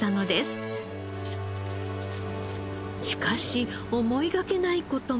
しかし思いがけない事も。